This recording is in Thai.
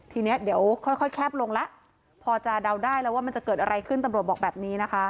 ทีนี้เดี๋ยวค่อยแคบลงแล้วพอจะเดาได้แล้วว่ามันจะเกิดอะไรขึ้นตำรวจบอกแบบนี้นะคะ